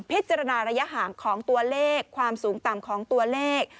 พิจารณาระยะห่างของตัวเลขความสูงต่ำของตัวเลข